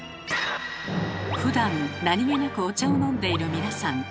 ふだん何気なくお茶を飲んでいる皆さん。